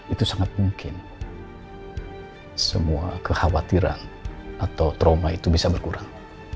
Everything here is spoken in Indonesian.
itu sangat mungkin semua kekhawatiran atau trauma itu bisa berkurang